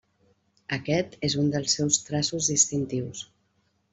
Aquest és un dels seus traços distintius.